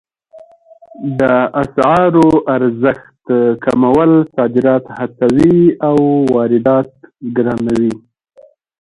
د اسعارو ارزښت کمول صادرات هڅوي او واردات ګرانوي